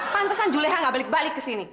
pantesan juleha nggak balik balik ke sini